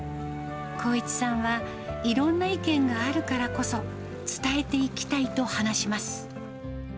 航一さんは、いろんな意見があるからこそ、伝えていきたいと話します。